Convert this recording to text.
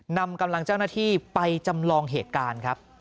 นำกำลังเจ้าหน้าที่ไปจำลองเหตุการณ์ครับ